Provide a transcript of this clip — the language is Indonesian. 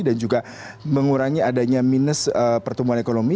dan juga mengurangi adanya minus pertumbuhan ekonomi